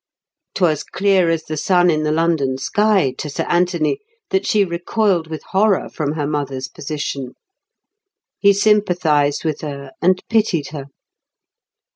'Twas clear as the sun in the London sky to Sir Anthony that she recoiled with horror from her mother's position. He sympathised with her and pitied her.